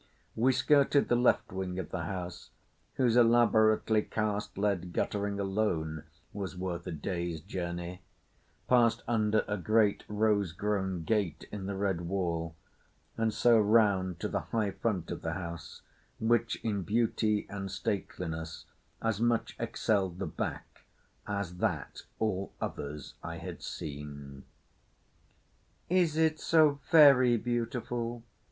We skirted the left wing of the house, whose elaborately cast lead guttering alone was worth a day's journey; passed under a great rose grown gate in the red wall, and so round to the high front of the house which in beauty and stateliness as much excelled the back as that all others I had seen. "Is it so very beautiful?"